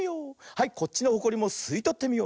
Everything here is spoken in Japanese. はいこっちのホコリもすいとってみよう。